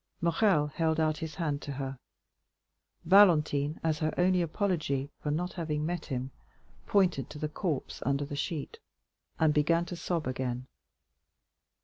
Morrel held out his hand to her. Valentine, as her only apology for not having met him, pointed to the corpse under the sheet, and began to sob again.